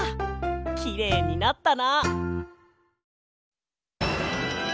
きれいになったな。